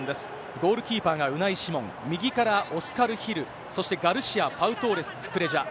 ゴールキーバーがウナイ・シモン、右からオスカル・ヒル、そしてガルシア、パウ・トーレス、ククレジャ。